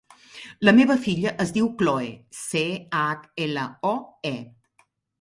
La meva filla es diu Chloe: ce, hac, ela, o, e.